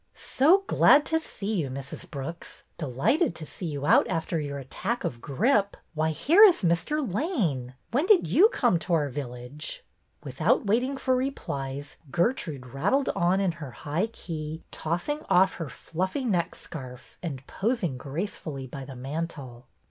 " So glad to see you, Mrs. Brooks. Delighted to see you out after your attack of grip. Why, here is Mr. Lane! When did you come to our village? " Without waiting for replies, Gertrude rattled on in her high key, tossing off her fluffy neck scarf, and posing gracefully by the mantel.